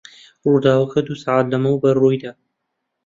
ڕووداوەکە دوو سەعات لەمەوبەر ڕووی دا.